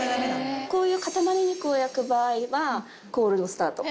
こういう塊肉を焼く場合はコールドスタート。